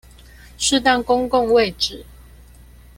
適當公共位置